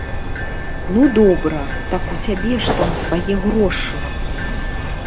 Ну, добра, так у цябе ж там свае грошы.